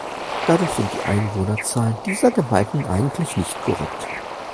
Dadurch sind die Einwohnerzahlen dieser Gemeinden eigentlich nicht korrekt.